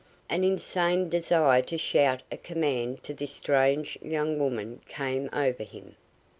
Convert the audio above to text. An insane desire to shout a command to this strange young woman came over him.